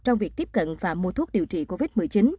trong việc tiếp cận và mua thuốc điều trị covid một mươi chín